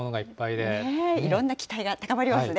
いろんな期待が高まりますね。